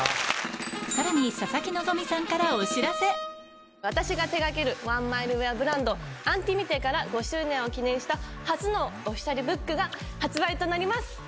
さらに私が手掛けるワンマイルウエアブランド「ｉＮｔｉｍｉｔｅ」から５周年を記念した初のオフィシャルブックが発売となります。